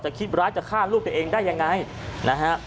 คิดร้ายจะฆ่าลูกตัวเองได้ยังไงนะฮะ